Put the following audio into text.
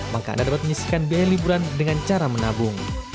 maka anda dapat menyisihkan biaya liburan dengan cara menabung